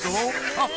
あっ！